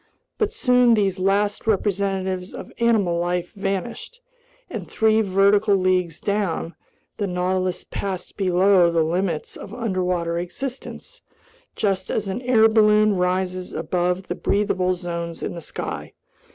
But soon these last representatives of animal life vanished, and three vertical leagues down, the Nautilus passed below the limits of underwater existence just as an air balloon rises above the breathable zones in the sky.